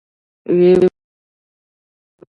و یې ویل که څوک شکایت لري.